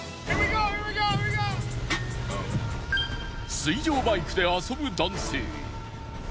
水上バイクで遊ぶ男性。